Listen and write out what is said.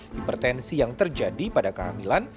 hipertensi yang terjadi pada kehamilan